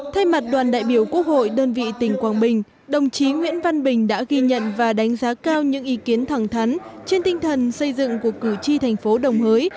thay mặt đoàn đại biểu quốc hội đơn vị tỉnh quảng bình đồng chí nguyễn văn bình đã ghi nhận và đánh giá cao những ý kiến thẳng thắn trên tinh thần xây dựng của cử tri thành phố đồng hới